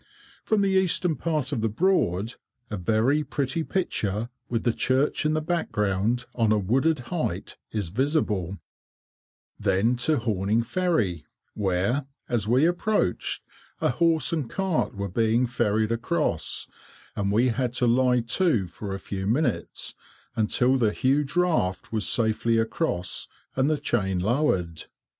From the eastern part of the Broad, a very pretty picture, with the church in the background, on a wooded height, is visible. [Picture: Horning Village] Then to Horning Ferry, where, as we approached, a horse and cart were being ferried across, and we had to lie to for a few minutes, until the huge raft was safely across, and the chain lowered.